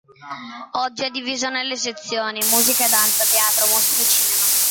Oggi è diviso nelle sezioni: Musica e Danza, Teatro, Mostre, Cinema.